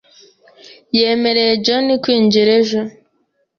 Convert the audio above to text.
Yemereye John kwinjira ejo .